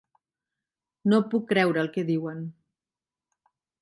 No puc creure el que diuen.